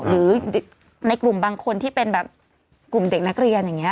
หรือในกลุ่มบางคนที่เป็นแบบกลุ่มเด็กนักเรียนอย่างนี้